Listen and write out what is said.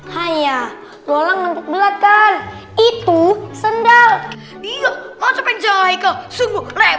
hai ya rolang ngantuk belakang itu sendal iya langsung jahe ke sungguh lebar kau